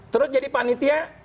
terus jadi panitia